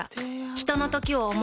ひとのときを、想う。